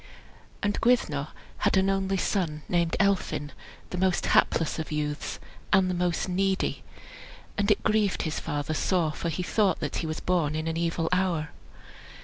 And Gwyddno had an only son named Elphin, the most hapless of youths, and the most needy. And it grieved his father sore, for he thought that he was born in an evil hour.